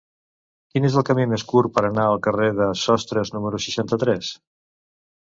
Quin és el camí més curt per anar al carrer de Sostres número seixanta-tres?